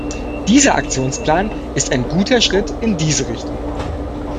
Dieser Aktionsplan ist ein guter Schritt in diese Richtung.